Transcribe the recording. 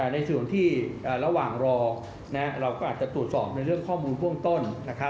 ในส่วนที่ระหว่างรอเราก็อาจจะตรวจสอบในเรื่องข้อมูลเบื้องต้น